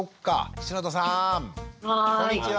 こんにちは！